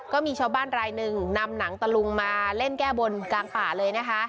ก็มีชาวบ้านรายหนึ่งนำหนังตะลุงมาเล่นแก้บนกลางป่าเลยนะคะ